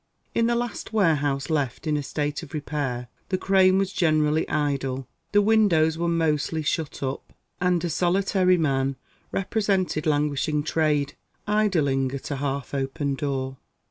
In the last warehouse left in a state of repair, the crane was generally idle; the windows were mostly shut up; and a solitary man represented languishing trade, idling at a half opened door.